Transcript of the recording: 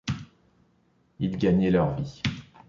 Ils gagnaient leur vie.